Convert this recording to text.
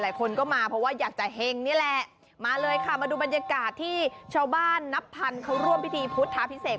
หลายคนก็มาเพราะว่าอยากจะเฮงนี่แหละมาเลยค่ะมาดูบรรยากาศที่ชาวบ้านนับพันเขาร่วมพิธีพุทธาพิเศษ